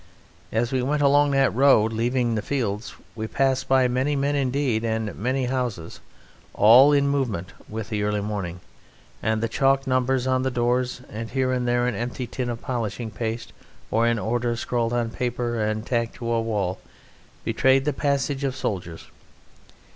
As we went along that road, leaving the fields, we passed by many men indeed, and many houses, all in movement with the early morning; and the chalked numbers on the doors, and here and there an empty tin of polishing paste or an order scrawled on paper and tacked to a wall betrayed the passage of soldiers.